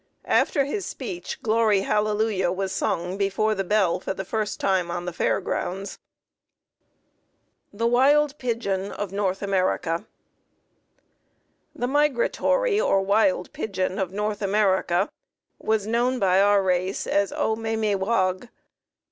After his speech "Glory Hallelujah" was sung before the bell for the first time on the Fair grounds.] The migratory or wild pigeon of North America was known by our race as O me me wog.